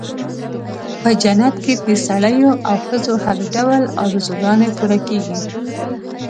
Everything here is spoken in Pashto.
په جنت کې د سړیو او ښځو هر ډول آرزوګانې پوره کېږي.